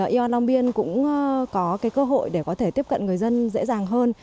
yor long biên cũng có cơ hội để có thể tiếp cận người dân dễ dàng hơn